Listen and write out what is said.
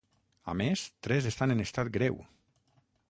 A més, tres estan en estat greu.